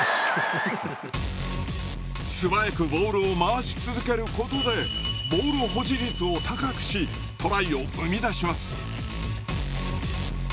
素早くボールを回し続けることでボール保持率を高くしトライを生み出します。